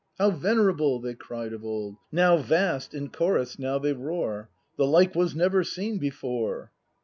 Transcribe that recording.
"How venerable!" they cried of old. "Now vast!" in chorus now they roar — "The like was never seen before!"